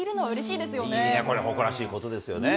いや、これ、誇らしいことですよね。